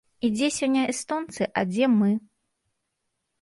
І дзе сёння эстонцы, а дзе мы?